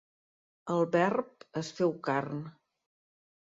El Verb es feu carn.